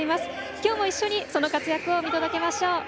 きょうも一緒にその活躍を見届けましょう。